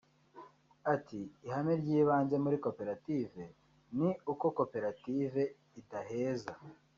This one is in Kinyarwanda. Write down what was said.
Ati “Ihame ry’ibanze muri koperative ni uko koperative idaheza